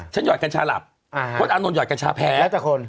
ฉันหยอดกัญชาหลับอ๋อพศอาโนโณษยอดกัญชาแพ้และแต่คน